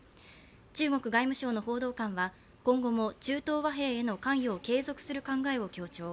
中国外務省の報道官は今後も中東和平への関与を継続する考えを強調。